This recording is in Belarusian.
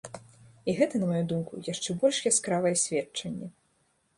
І гэта, на маю думку, яшчэ больш яскравае сведчанне!